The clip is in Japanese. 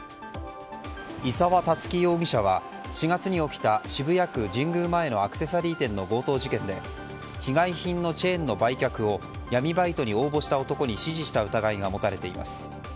伊沢龍樹容疑者は４月に起きた渋谷区神宮前のアクセサリー店の強盗事件で被害品のチェーンの売却を闇バイトに応募した男に指示した疑いが持たれています。